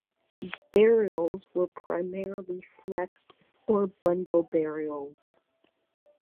Burials were primarily flexed or bundle burials.